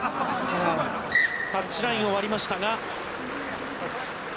タッチラインを割りましたが。